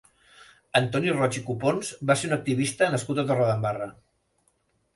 Antoni Roig i Copons va ser un activista nascut a Torredembarra.